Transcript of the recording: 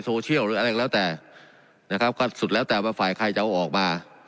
หรืออะไรก็แล้วแต่นะครับก็สุดแล้วแต่ว่าฝ่ายใครจะเอาออกมา